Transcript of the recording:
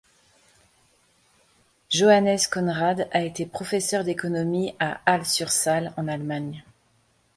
Johannes Conrad a été professeur d'économie à Halle-sur-Saale, en Allemagne.